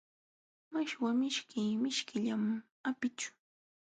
Mashwa mishki mishkillam apićhu.